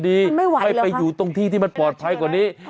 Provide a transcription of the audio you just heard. ไม่ไหวหรือคะมันไม่ไหวหรือคะให้ไปอยู่ตรงที่ที่มันปลอดภัยกว่านี้